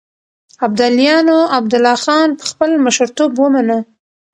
ابداليانو عبدالله خان په خپل مشرتوب ومنه.